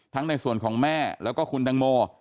ในส่วนของแม่แล้วก็คุณตังโม